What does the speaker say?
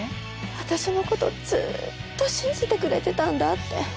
私のことずっと信じてくれてたんだって。